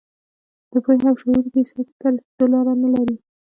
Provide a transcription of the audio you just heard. د پوهې او شعور دې سطحې ته رسېدو لاره نه لري.